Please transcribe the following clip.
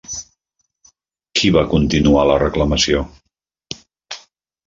Qui va continuar la reclamació?